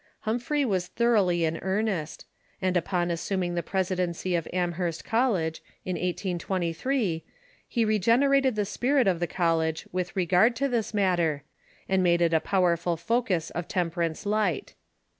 Humphrey was thorough ly in earnest, and upon assuming the presidency of Amherst College, in 1823, he regenerated the spirit of the college with regard to this matter, and made it a powerful focus of temper ance light.